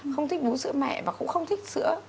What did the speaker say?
không thích uống sữa mẹ và cũng không thích sữa